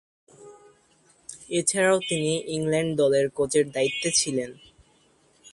এছাড়াও, তিনি ইংল্যান্ড দলের কোচের দায়িত্বে ছিলেন।